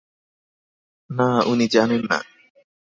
না, উনি জানেন না।